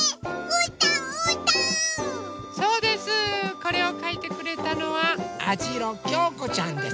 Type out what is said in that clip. これをかいてくれたのはあじろきょうこちゃんです。